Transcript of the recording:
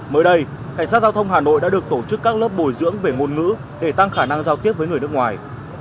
mới đây cảnh sát giao thông hà nội đã được tổ chức các lớp bồi dưỡng về ngôn ngữ để tăng khả năng giao tiếp với người nước ngoài